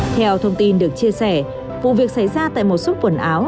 theo thông tin được chia sẻ vụ việc xảy ra tại một số quần áo